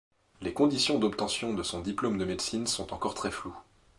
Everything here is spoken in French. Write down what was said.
Les conditions d’obtention de son diplôme de médecine sont encore très floues.